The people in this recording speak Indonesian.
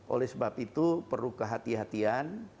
oleh sebab itu perlu kehati hatian